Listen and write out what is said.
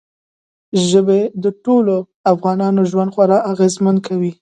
ژبې د ټولو افغانانو ژوند خورا اغېزمن کوي.